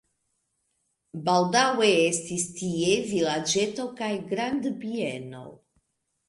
Baldaŭe estis tie vilaĝeto kaj grandbieno.